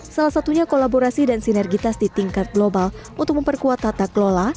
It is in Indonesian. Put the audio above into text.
salah satunya kolaborasi dan sinergitas di tingkat global untuk memperkuat tata kelola